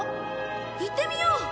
行ってみよう！